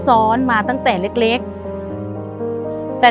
คุณฝนจากชายบรรยาย